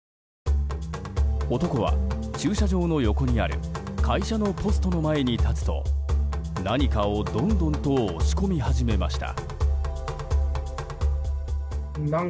男は駐車場の横にある会社のポストの前に立つと何かをどんどんと押し込み始めました。